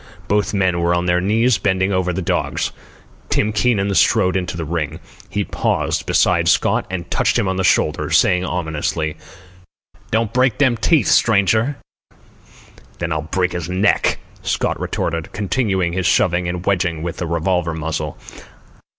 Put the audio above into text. Both men were on their knees, bending over the dogs. Tim Keenan strode into the ring. He paused beside Scott and touched him on the shoulder, saying ominously: "Don't break them teeth, stranger." "Then I'll break his neck," Scott retorted, continuing his shoving and wedging with the revolver muzzle.